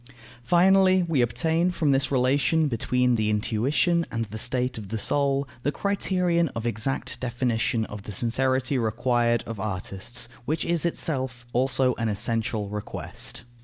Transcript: Finally, we obtain from this relation between the intuition and the state of the soul the criterion of exact definition of the sincerity required of artists, which is itself also an essential request.